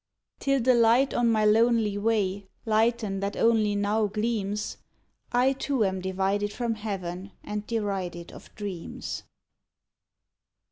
Till the light on my lonely way lighten that only now gleams, I too am divided from heaven and derided of dreams.